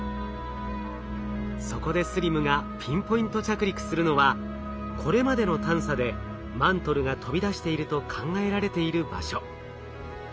そこでＳＬＩＭがピンポイント着陸するのはこれまでの探査でマントルが飛び出していると考えられている場所。